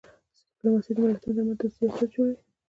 ډیپلوماسي د ملتونو ترمنځ د دوستۍ اساس جوړوي.